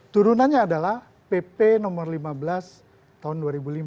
turunannya adalah pp nomor lima belas tahun dua ribu lima